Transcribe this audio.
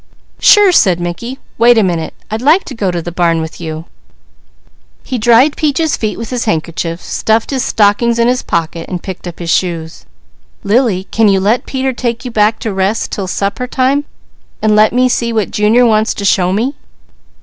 "Sure!" said Mickey. "Wait a minute! I'd like to go to the barn with you." He dried Peaches' feet with his handkerchief, stuffed his stockings in his pocket, and picked up his shoes. "Lily, can you let Peter take you back to rest 'til supper time, so I can see what Junior wants to show me?"